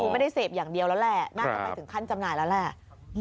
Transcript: ไม่ได้เสพอย่างเดียวแล้วแหละน่าจะไปถึงขั้นจำหน่ายแล้วแหละ